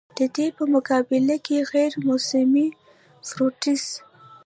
د دې پۀ مقابله کښې غېر موسمي فروټس